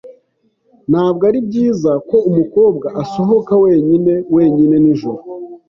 Ntabwo ari byiza ko umukobwa asohoka wenyine wenyine nijoro.